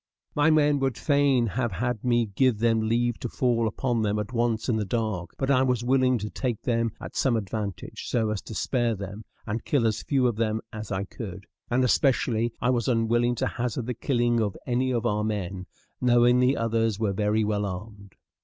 My men would fain have had me give them leave to fall upon them at once in the dark; but I was willing to take them at some advantage, so as to spare them, and kill as few of them as I could; and especially I was unwilling to hazard the killing of any of our men, knowing the others were very well armed.